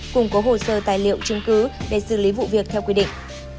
cùng có hồ sơ tài liệu chứng cứ để xử lý vụ việc theo quy định